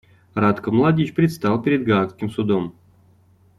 Ратко Младич предстал перед Гаагским судом.